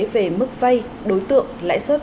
về mức vay đối tượng lãi suất